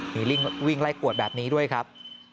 มีวิ่งไล่กวดแบบนี้ด้วยครับ